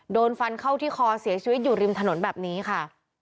โดนฟันเข้าที่คอเสียชีวิตอยู่ริมถนนแบบนี้ค่ะ